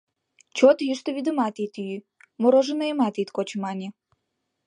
Чот йӱштӧ вӱдымат ит йӱ, мороженыйым ит коч, мане.